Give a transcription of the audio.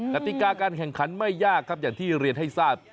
กติกาการแข่งขันไม่ยากครับอย่างที่เรียนให้ทราบ